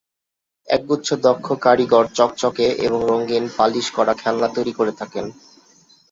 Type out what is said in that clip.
একগুচ্ছ দক্ষ কারিগর চকচকে এবং রঙিন পালিশ করা খেলনা তৈরি করে থাকেন।